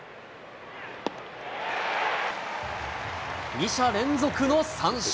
２者連続の三振。